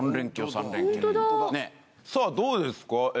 さあどうですか？